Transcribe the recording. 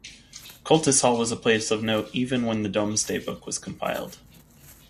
Coltishall was a place of note even when the Domesday Book was compiled.